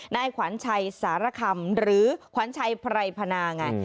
นายขวัญชัยสารคำหรือขวัญชัยไพรพนาไง